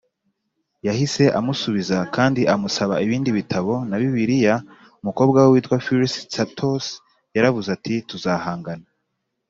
yahise amusubiza kandi amusaba ibindi bitabo na Bibiliya Umukobwa we witwa Phyllis Tsatos yaravuze ati tuzahangana